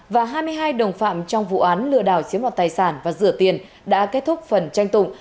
và hai mươi hai đồng phạm trong vụ án lừa đảo chiếm đoạt tài sản và rửa tiền đã kết thúc phần tranh tụng